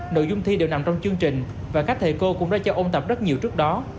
nội dung thi đều nằm trong chương trình và các thầy cô cũng đã cho ôn tập rất nhiều trước đó